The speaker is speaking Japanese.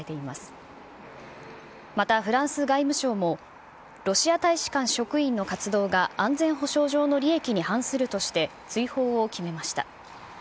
またフランス外務省も、ロシア大使館職員の活動が安全保障上の利益に反するとして、追放を決めました。